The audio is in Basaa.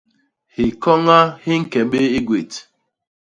Hikoña hi ñke bé i gwét.